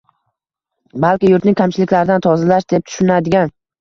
balki yurtni kamchiliklardan tozalash deb tushunadigan